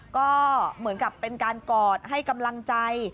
ก็เหมือนกับเป็นการกอดให้กำลังใจ